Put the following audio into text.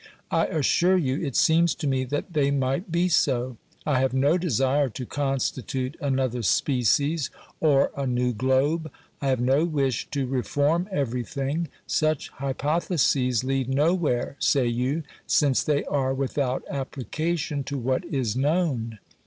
I assure you, it seems to me that they might be so. I have no desire to constitute another species or a new globe ; I have no wish to reform everything ; such hypotheses lead nowhere, say you, since they are without application to what is known.